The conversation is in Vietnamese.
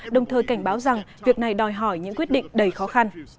đồng thời cảnh báo rằng việc này đòi hỏi những quyết định đầy khó khăn